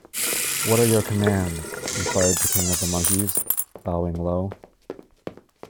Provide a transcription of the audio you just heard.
What are your commands? enquired the King of the Monkeys, bowing low.